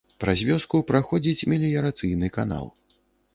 Праз вёску праходзіць меліярацыйны канал.